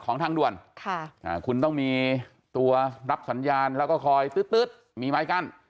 ทางด่วนคุณต้องมีตัวรับสัญญาณแล้วก็คอยตื๊ดมีไม้กั้น